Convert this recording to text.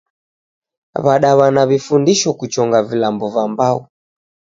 W'adaw'ana w'ifundisho kuchonga vilambo va mbau